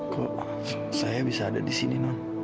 kok saya bisa ada disini nol